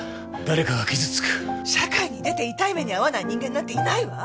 社会に出て痛い目に遭わない人間なんていないわ！